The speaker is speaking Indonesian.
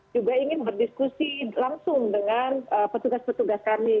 juga ingin berdiskusi langsung dengan petugas petugas kami